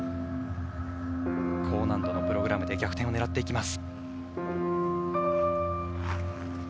高難度のプログラムで逆転を狙っていきます。